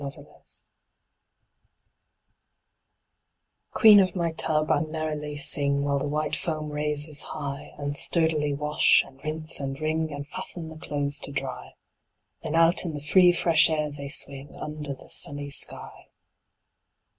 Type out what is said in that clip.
8 Autoplay Queen of my tub, I merrily sing, While the white foam raises high, And sturdily wash, and rinse, and wring, And fasten the clothes to dry; Then out in the free fresh air they swing, Under the sunny sky.